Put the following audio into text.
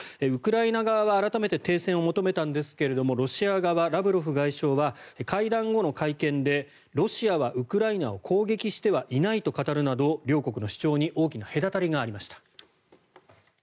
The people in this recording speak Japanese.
ウクライナ側は改めて停戦を求めたんですがロシア側のラブロフ外相は会談後の会見でロシアはウクライナを攻撃してはいないと語るなど両国の主張に大きな隔たりがありました。